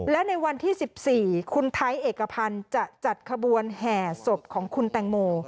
และในวันที่๑๔คุณไทยเอกพันธ์จะจัดขบวนแห่ศพของคุณแตงโม